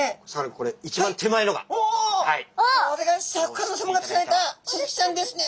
これがシャーク香音さまが釣られたスズキちゃんですね。